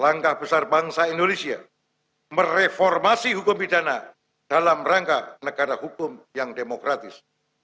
langkah besar bangsa indonesia mereformasi hukum pidana dalam rangka negara hukum yang demokratis